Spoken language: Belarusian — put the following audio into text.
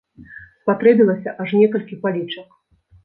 Спатрэбілася аж некалькі палічак!